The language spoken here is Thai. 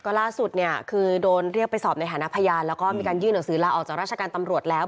ล่าสุดเนี่ยคือโดนเรียกไปสอบในฐานะพยานแล้วก็มีการยื่นหนังสือลาออกจากราชการตำรวจแล้ว